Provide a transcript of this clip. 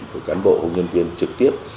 của cán bộ nhân viên trực tiếp